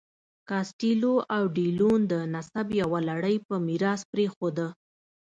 کاسټیلو او ډي لیون د نسب یوه لړۍ په میراث پرېښوده.